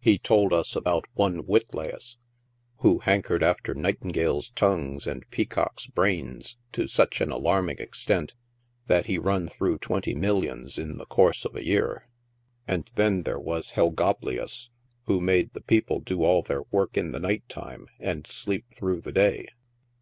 He told us about one Vittleus, who hankered after nightingales' tongues and peacocks' brains to such an alarming extent, that he run through twenty mil lions in the course of a year. And then there was Hell Gobleus, who made the people do all their work in the night time and sleep through the day.